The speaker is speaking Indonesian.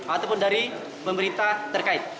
ataupun dari pemerintah terkait